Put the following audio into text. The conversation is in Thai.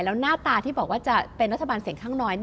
แล้วหน้าตาที่บอกว่าจะเป็นรัฐบาลเสียงข้างน้อย